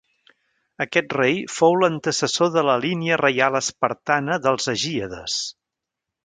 Aquest rei fou l'antecessor de la línia reial espartana dels agíades.